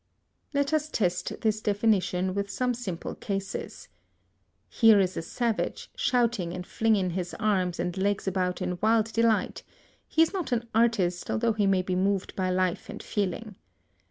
] Let us test this definition with some simple cases. Here is a savage, shouting and flinging his arms and legs about in wild delight; he is not an artist, although he may be moved by life and feeling.